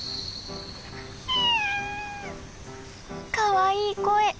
かわいい声。